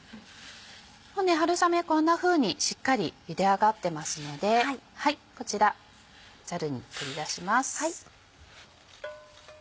春雨こんなふうにしっかり茹で上がってますのでこちらザルに取り出します。